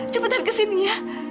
cepetan ke sini ya